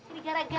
sini gara gara sih